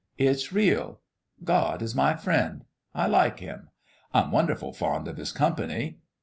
It's real. God w my friend. I like Him : I'm wonderful fond of His company.